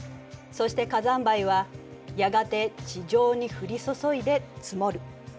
そして火山灰はやがて地上に降り注いで積もる。